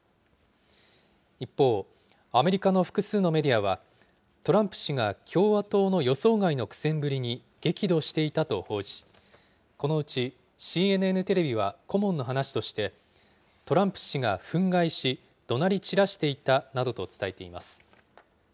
一方、アメリカの複数のメディアは、トランプ氏が共和党の予想外の苦戦ぶりに激怒していたと報じ、このうちＣＮＮテレビは顧問の話として、トランプ氏が憤慨し、どなり散らしていたなどと伝えています。